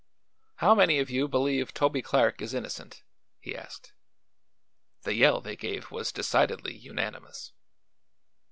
"How many of you believe Toby Clark is innocent?" he asked. The yell they gave was decidedly unanimous.